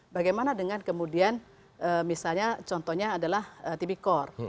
bagaimana dengan kemudian misalnya contohnya adalah tipikor